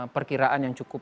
perkiraan yang cukup